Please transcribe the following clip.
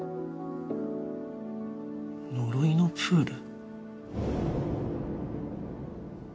「呪いのプール」？